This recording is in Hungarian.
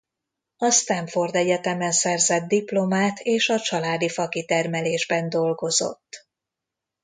A Stanford Egyetemen szerzett diplomát és a családi fakitermelésben dolgozott.